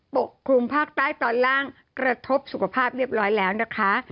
ปกคลุมภาคใต้ตอนล่างกระทบสุขภาพเรียบร้อยแล้วนะคะ